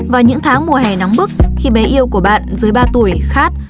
vào những tháng mùa hè nóng bức khi bé yêu của bạn dưới ba tuổi khát